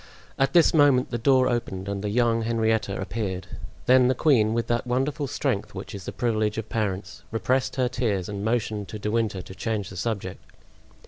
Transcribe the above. At this moment the door opened and the young Henrietta appeared; then the queen, with that wonderful strength which is the privilege of parents, repressed her tears and motioned to De Winter to change the subject.